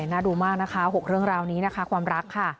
น่าดูมากนะคะ๖เรื่องราวนี้นะคะความรักค่ะ